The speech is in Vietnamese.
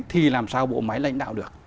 thì làm sao bộ máy lãnh đạo được